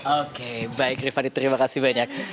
oke baik rifani terima kasih banyak